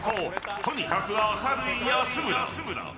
とにかく明るい安村。